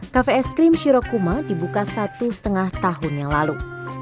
cafe es krim shirokuma dibuka satu setengah tahun yang lalu